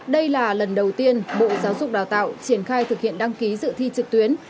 đây là lần đầu tiên bộ giáo dục đào tạo triển khai thực hiện đăng ký dự thi trực tuyến